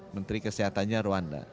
menteri kesehatannya rwanda